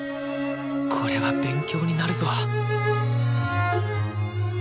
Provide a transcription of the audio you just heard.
これは勉強になるぞ！